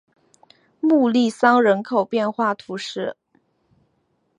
穆利桑人口变化图示